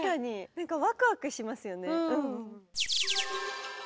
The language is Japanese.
なんかワクワクしますよね。